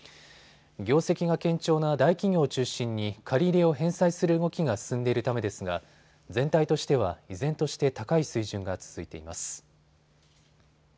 業績が堅調な大企業を中心に借り入れを返済する動きが進んでいるためですが全体としては依然として高い水準が続いています。